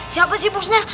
siapa sih posnya